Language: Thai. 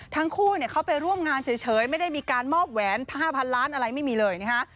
ทั้งคู่เขาไปร่วมงานเฉยไม่ได้มีการมอบแหวน๕๐๐๐ล้านอะไรไม่มีเลยนะฮะ